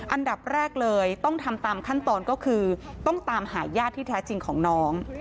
อันดับแรกเลยต้องทำตามขั้นตอนก็คือต้องตามหาญาติที่แท้จริงของน้อง